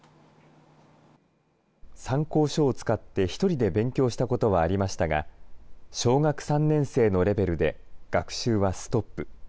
参考書を使って１人で勉強したことはありましたが、小学３年生のレベルで、学習はストップ。